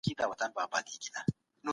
د لرغونو اثارو موندنې څه ښيي؟